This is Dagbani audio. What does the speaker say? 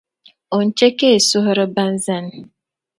o ni chɛ ka yi suhuri ba n-zani.